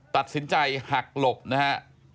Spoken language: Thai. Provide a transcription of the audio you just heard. ตัดสินใจหักหลบนะฮะ